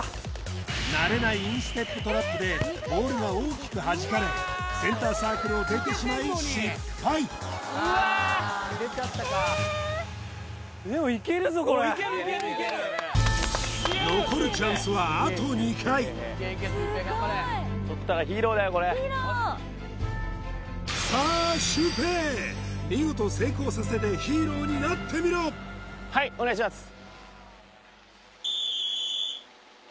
慣れないインステップトラップでボールが大きくはじかれでもいけるぞこれ残るチャンスはあと２回さあシュウペイ見事成功させてヒーローになってみろはいお願いします